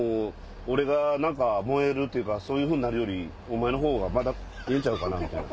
俺が燃えるっていうかそういうふうになるよりお前のほうがまだええんちゃうかな」みたいな。